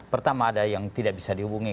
pertama ada yang tidak bisa dihubungi